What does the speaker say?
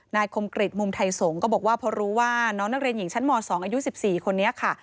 คมกริจมุมไทยสงฆ์ก็บอกว่าพอรู้ว่าน้องนักเรียนหญิงชั้นม๒อายุ๑๔คนนี้ค่ะ